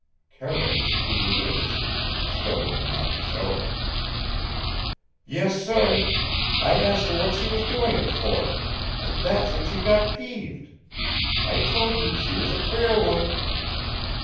Carroll was keenly interested struggling not to show it. "Yes, sir. I asked her what was she doing it for and that's when she got peeved. I told you she was a queer one."